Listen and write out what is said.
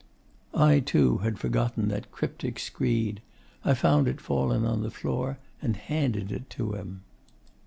I, too, had forgotten that cryptic screed. I found it fallen on the floor, and handed it to him.